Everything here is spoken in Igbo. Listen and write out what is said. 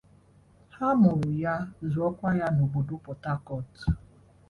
Amụrụ ya zụọkwa ya n'obodo Port Harcourt.